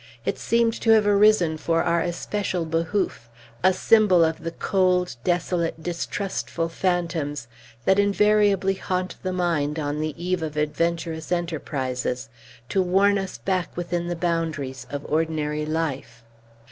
It seemed to have arisen for our especial behoof, a symbol of the cold, desolate, distrustful phantoms that invariably haunt the mind, on the eve of adventurous enterprises, to warn us back within the boundaries of ordinary life.